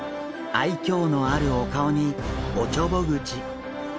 愛嬌のあるお顔におちょぼ口。